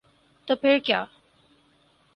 تو پھر کیا؟